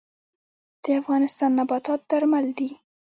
د افغانستان نباتات درمل دي